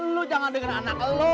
lu jangan denger anak lu